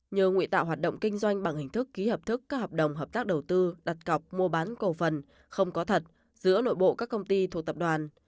nhờ nguyện tạo hoạt động kinh doanh bằng hình thức ký hợp thức các hợp đồng hợp tác đầu tư đặt cọc mua bán cổ phần không có thật giữa nội bộ các công ty thuộc tập đoàn